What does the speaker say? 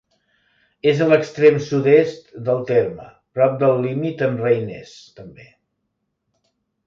És a l'extrem sud-est del terme, prop del límit amb Reiners, també.